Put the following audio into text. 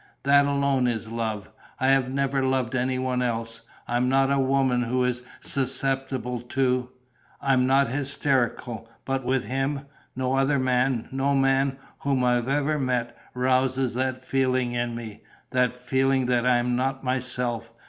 That alone is love. I have never loved any one else. I am not a woman who is susceptible to.... I'm not hysterical. But with him ... No other man, no man whom I have ever met, rouses that feeling in me ... that feeling that I am not myself.